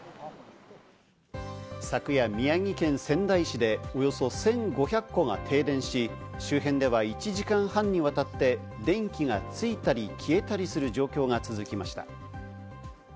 昨夜、宮城県仙台市でおよそ１５００戸が停電し、周辺では１時間半にわたって電気がついたり消えたりする状況が続きました。